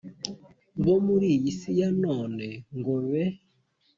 bo muri iyi si ya none ngo be